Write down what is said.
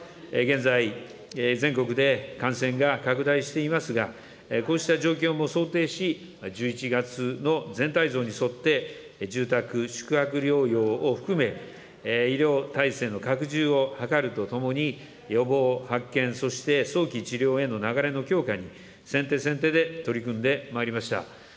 現在、全国で感染が拡大していますが、こうした状況も想定し、１１月の全体像に沿って、住宅、宿泊療養を含め、医療体制の拡充を図るとともに、予防、発見、そして早期治療への流れの強化に先手先手で取り組んでまいりました。